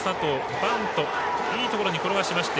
バントいいところに転がしまして